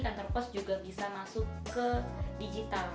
kantor post juga bisa masuk ke digital